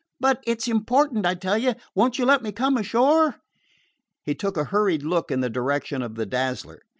"But it 's important, I tell you! Won't you let me come ashore?" He took a hurried look in the direction of the Dazzler.